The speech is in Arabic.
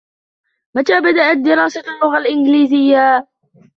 متى بدأتَ دراسة اللغة الانجليزية ؟